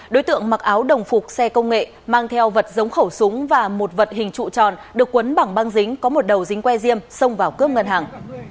đối tượng mặc áo đồng phục xe công nghệ mang theo vật giống khẩu súng và một vật hình trụ tròn được quấn bằng băng dính có một đầu dính que diêm xông vào cướp ngân hàng